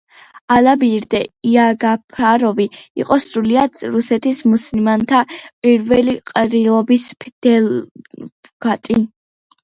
ალაბირდე იაგაფაროვი იყო სრულიად რუსეთის მუსულმანთა პირველი ყრილობის დელეგატი.